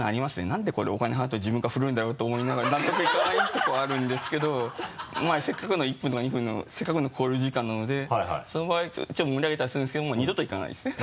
何でこれお金払って自分からふるんだろう？って思いながら納得いかないとこあるんですけどまぁせっかくの１分とか２分のせっかくの交流時間なのでその場合ちょっと盛り上げたりするんですけどもう二度と行かないですね。